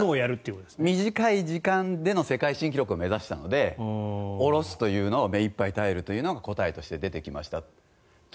これは短い時間での世界新記録を目指したので下ろすというのをめいっぱい耐えるというのが答えとして出てきましたと。